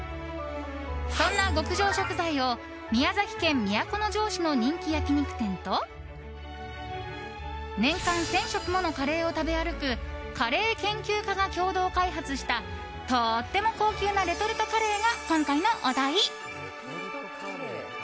そんな極上食材を宮崎県都城市の人気焼き肉店と年間１０００食ものカレーを食べ歩くカレー研究家が共同開発したとっても高級なレトルトカレーが今回のお題。